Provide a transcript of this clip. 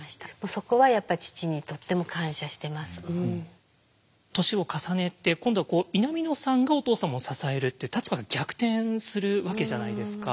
そこはやっぱり父に年を重ねて今度はこう南野さんがお父様を支えるって立場が逆転するわけじゃないですか。